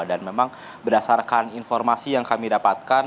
dan memang berdasarkan informasi yang kami dapatkan